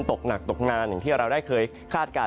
ตกหนักตกนานอย่างที่เราได้เคยคาดการณ